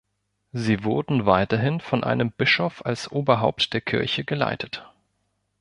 Sie wurden weiterhin von einem Bischof als Oberhaupt der Kirche geleitet.